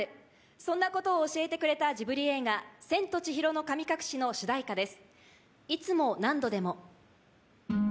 そんなことを教えてくれたジブリ映画『千と千尋の神隠し』の主題歌です。